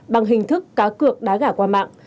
bằng hình thức cá cược đá gả qua mạng